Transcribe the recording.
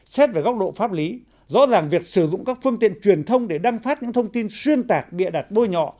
xét về góc độ pháp lý rõ ràng việc sử dụng các phương tiện truyền thông để đăng phát những thông tin xuyên tạc bịa đặt bôi nhọ